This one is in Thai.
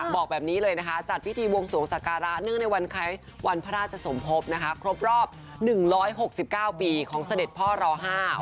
บอกแบบนี้เลยนะคะจัดพิธีวงศวงศ์สการะเนื่องในวันไข้วันพระราชสมภพครบรอบ๑๖๙ปีของเสด็จพ่อรอห้า